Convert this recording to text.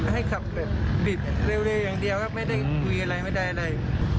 ให้ขับแบบบิดเร็วอย่างเดียวครับไม่ได้คุยอะไรไม่ได้อะไร